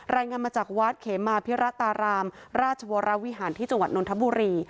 รายงานมาจากวัดเขมาพิระตารามราชวรวิหารที่จังหวัดนทบุรี